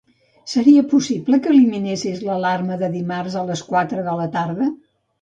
Seria possible que eliminessis l'alarma de dimarts a les quatre de la tarda?